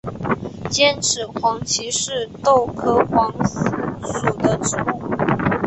尖齿黄耆是豆科黄芪属的植物。